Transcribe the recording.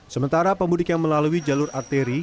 sementara pembudik yang melalui jalur arti